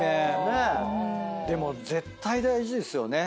でも絶対大事ですよね。